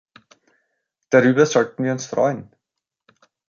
Darüber sollten wir uns freuen.